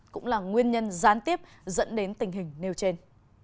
cũng là nguyên nhân gián tiếp dẫn đến tình hình nêu trên